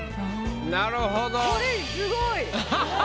なるほど。